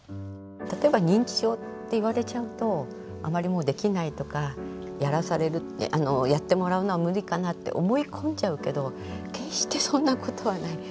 例えば認知症って言われちゃうとあまりもうできないとかやってもらうのは無理かなって思い込んじゃうけど決してそんなことはない。